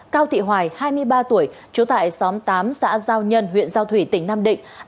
cao thị hoài hai mươi ba tuổi trú tại xóm tám xã giao nhân huyện giao thủy tỉnh nam định